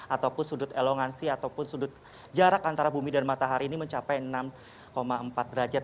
ataupun sudut elongansi ataupun sudut jarak antara bumi dan matahari ini mencapai enam empat derajat